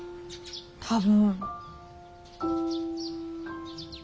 多分。